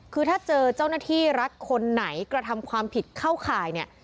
คือถ้าเจาหน้าที่รัขานายกระทำพันธุ์ผิดเข้าข่ายเนี่ย